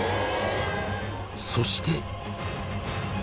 そして。